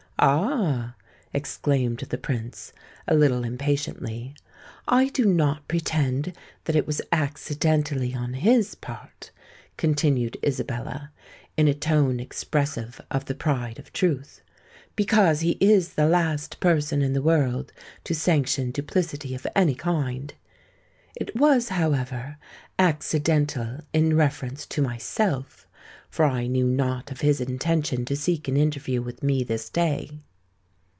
"Ah!" exclaimed the Prince, a little impatiently. "I do not pretend that it was accidentally on his part," continued Isabella, in a tone expressive of the pride of truth; "because he is the last person in the world to sanction duplicity of any kind. It was, however, accidental in reference to myself—for I knew not of his intention to seek an interview with me this day."